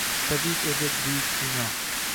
Tabib edi buyuk Sino.